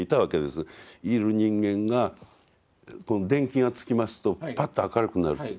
いる人間が電気がつきますとパッと明るくなる。